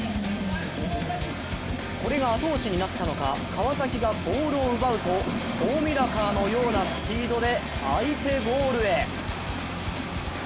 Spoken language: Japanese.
これが後押しになったのか川崎がボールを奪うとフォーミュラカーのようなスピードで相手ゴールへ。